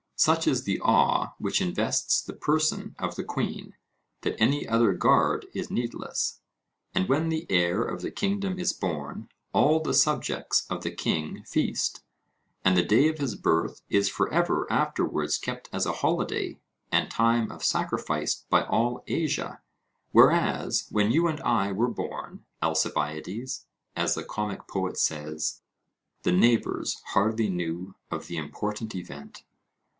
Such is the awe which invests the person of the queen, that any other guard is needless. And when the heir of the kingdom is born, all the subjects of the king feast; and the day of his birth is for ever afterwards kept as a holiday and time of sacrifice by all Asia; whereas, when you and I were born, Alcibiades, as the comic poet says, the neighbours hardly knew of the important event.